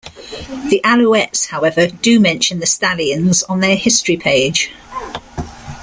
The Alouettes, however, do mention the Stallions on their history page.